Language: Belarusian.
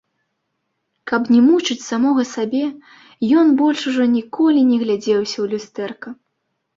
Каб не мучыць самога сябе, ён больш ужо ніколі не глядзеўся ў люстэрка.